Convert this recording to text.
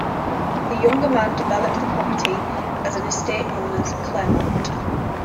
The younger man developed the property as an estate known as "Clermont".